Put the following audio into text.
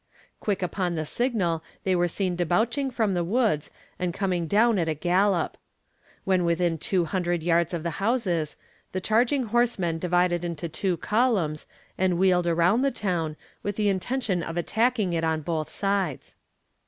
Quick upon the signal they were seen debouching from the woods and coming down at a gallop. When within two hundred yards of the houses, the charging horsemen divided into two columns, and wheeled round the town, with the intention of attacking it on both sides.